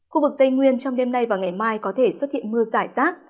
khu vực tây nguyên trong đêm nay và ngày mai có thể xuất hiện mưa rải rác